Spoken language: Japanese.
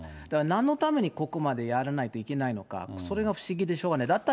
だからなんのためにここまでやらないといけないのか、それが不思議でしょうがない。